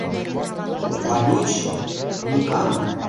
Валюч, уныкам.